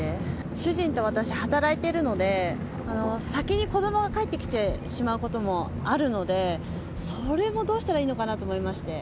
主人と私、働いているので、先に子どもが帰ってきてしまうこともあるので、それもどうしたらいいのかなと思いまして。